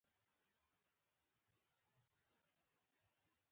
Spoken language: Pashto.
د سړې جګړې په دوران کې پرمختیایي مرستې لوړې شوې.